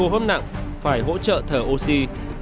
suy hô hấp nặng phải hỗ trợ thở oxy